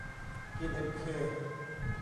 กินเอ็มเค